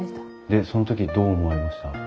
でその時どう思われました？